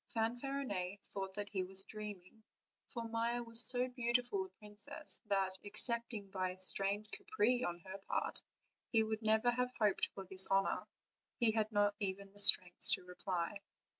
Eanfarinet thought that he was dreaming, for Maia was so beautiful a princess that, excepting by a strange caprice on her part, he could never have hoped for this honor; he had not even the strength to reply.